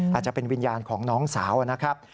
อาจจะเป็นวิญญาณของน้องสาวนะครับ